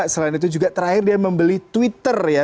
selain itu juga terakhir dia membeli twitter ya